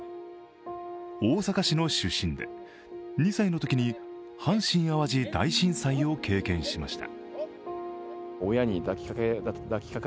大阪市の出身で、２歳のときに阪神・淡路大震災を経験しました。